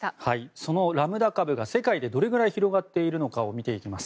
そのラムダ株が世界でどれくらい広がっているのかを見ていきます。